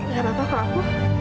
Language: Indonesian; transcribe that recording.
gak apa apa kok aku